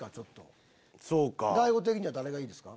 大悟的には誰がいいですか？